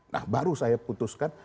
nah baru saya putuskan